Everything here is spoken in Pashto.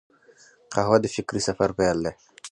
قهوه د فکري سفر پیل دی